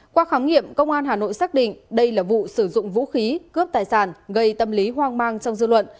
qua khám nghiệm công an hà nội xác định đây là vụ sử dụng vũ khí cướp tài sản gây tâm lý hoang mang trong dư luận